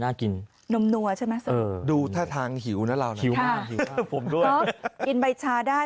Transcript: น่ากินนมนัวใช่ไหมเออดูถ้าทางหิวนะเราหิวมากผมด้วยกินใบชาได้